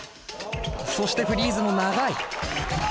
そしてフリーズも長い。